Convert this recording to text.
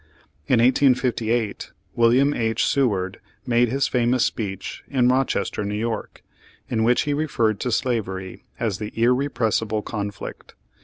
In 1858, William H. Seward made his famous speech in Rochester, N. Y., in which he referred to slavery as the "irrepressible conflict."